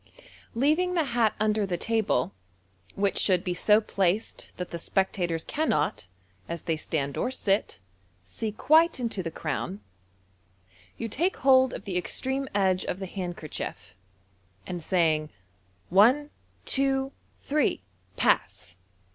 Leaving the hat under the table, which should be so placed that the spectators cannot, as they stand or sit, see quite into the crown, you take hold of the extreme edge of the handkerchief, and saying, "One, two, three! Pass!"